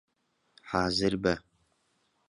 حازر بە!